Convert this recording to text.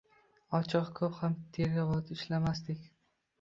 Ochig‘i, ko‘p ham terga botib ishlamasdik.